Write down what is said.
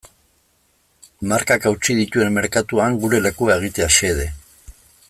Markak hautsi dituen merkatuan gure lekua egitea xede.